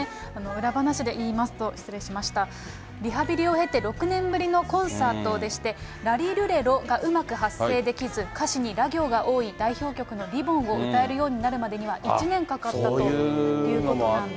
裏話で言いますと、失礼しました、リハビリを経て、６年ぶりのコンサートでして、らりるれろがうまく発声できず、歌詞にら行が多い代表曲のリ・ボ・ンを歌えるようになるまでには１年かかったということなんですね。